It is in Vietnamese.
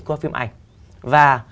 qua phim ảnh và